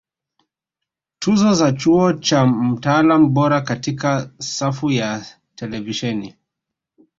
Tuzo za Chuo cha Mtaalam Bora Katika safu ya Televisheni